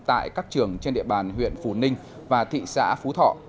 tại các trường trên địa bàn huyện phù ninh và thị xã phú thọ